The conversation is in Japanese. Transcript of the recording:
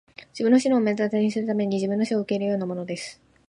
自分の死を目の当たりにするために自分の死を受け入れるようなものです!